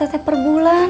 berapa teteh perbulan